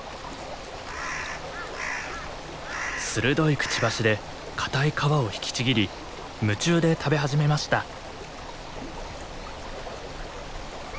鋭いくちばしで硬い皮を引きちぎり夢中で食べ始めました。